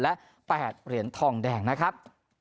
และ๘เหรียญทองแดงนะครับ